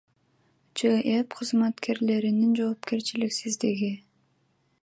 ЖЭБ кызматкерлеринин жоопкерчиликсиздиги.